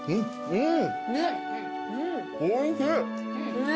うん。